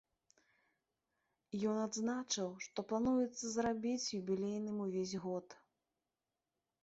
Ён адзначыў, што плануецца зрабіць юбілейным увесь год.